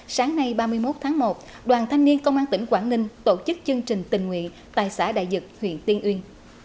sáng nay ba mươi một tháng một đoàn thanh niên công an tỉnh quảng ninh tổ chức chương trình tình nguyện tại xã đại dịch huyện tiên uyên